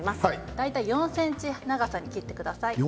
大体４ｃｍ長さに切ってください。